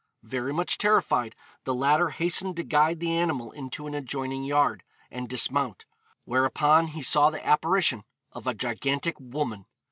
Very much terrified, the latter hastened to guide the animal into an adjoining yard, and dismount; whereupon he saw the apparition of a gigantic woman.